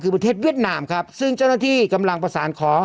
คือประเทศเวียดนามครับซึ่งเจ้าหน้าที่กำลังประสานขอ